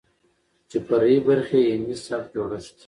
چې فرعي برخې يې هندي سبک جوړښت،